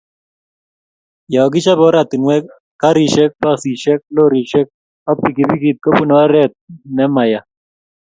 Ya kichope oratinwek ,garishek, busishek ,lorishek ak pikipikit ko pune oret ne maya